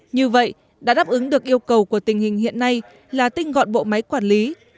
như vậy đã đáp ứng được yêu cầu của tình hình hiện nay là tinh gọn bộ máy quản lý